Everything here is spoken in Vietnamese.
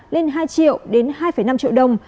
lên hai triệu đến hai năm triệu đồng